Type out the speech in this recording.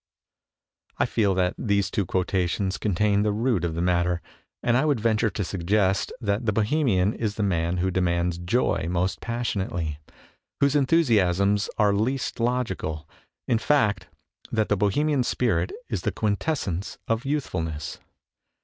I feel that these two quotations contain the root of the matter, and I would venture to suggest that the Bohemian is the man who demands joy most passionately, whose en thusiasms are least logical, in fact that the Bohemian spirit is the quintessence of youth fulness.